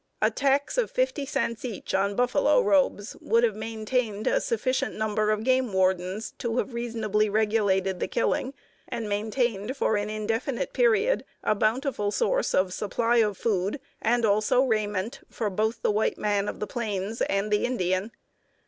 A tax of 50 cents each on buffalo robes would have maintained a sufficient number of game wardens to have reasonably regulated the killing, and maintained for an indefinite period a bountiful source of supply of food, and also raiment for both the white man of the plains and the Indian.